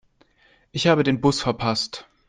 Ich habe den Bus verpasst.